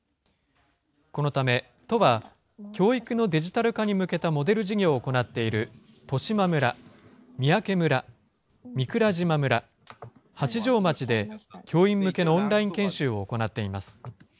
このため都は、教育のデジタル化に向けたモデル事業を行っている利島村、三宅村、御蔵島村、八丈町で教員向けのオンライン研修を行っています。